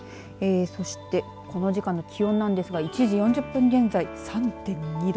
そしてこの時間の気温なんですが１時４０分現在３．２度。